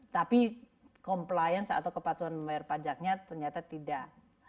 tapi compliance atau kepatuhan membayar pajaknya ternyata tidak